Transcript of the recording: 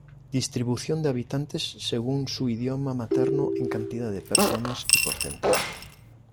Distribución de habitantes según su idioma materno en cantidad de personas y porcentaje.